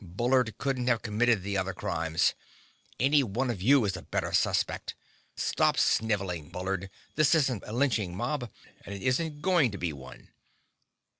Bullard couldn't have committed the other crimes. Any one of you is a better suspect. Stop snivelling, Bullard, this isn't a lynching mob, and it isn't going to be one!"